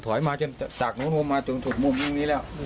ถอยมาจนจากโน้นผมมาจนถึงมุมตรงนี้แล้ว